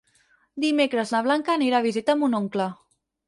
Dimecres na Blanca anirà a visitar mon oncle.